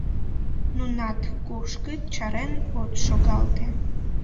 Нунат кушкыт, чарен от шогалте.